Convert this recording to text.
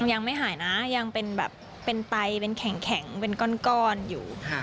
ยังไม่หายนะยังเป็นแบบเป็นไตเป็นแข็งเป็นก้อนอยู่